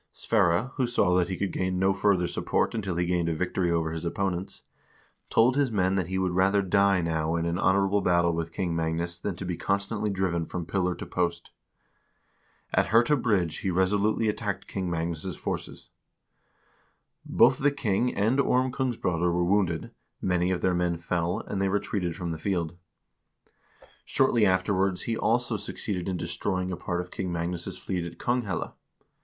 Sverre, who saw that he could gain no further support until he gained a victory over his opponents, told his men that he would rather die now in an honorable battle with King Magnus than to be constantly driven from pillar to post. At Hirta Bridge he resolutely attacked King Magnus* forces. Both the king and Orm Kongs broder were wounded, many of their men fell, and they retreated from the field. Shortly afterwards he also succeeded in destroying a 1 Sverressaga, ch. 22. SVERRE SIGURDSSON AND THE BIRKEBEINER 381 part of King Magnus' fleet at Konghelle.